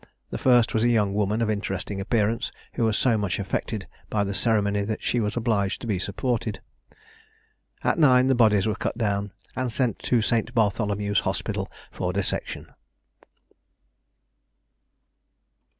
The first was a young woman of interesting appearance, who was so much affected by the ceremony that she was obliged to be supported. At nine the bodies were cut down, and sent to St. Bartholomew's Hospital for dissection.